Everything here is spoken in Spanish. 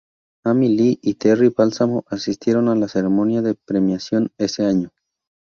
Amy Lee y Terry Balsamo asistieron a la ceremonia de premiación ese año.